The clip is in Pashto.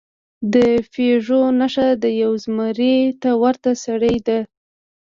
د پېژو نښه د یو زمري ته ورته سړي ده.